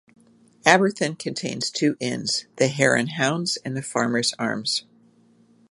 Aberthin contains two inns; The Hare and Hounds and The Farmers Arms.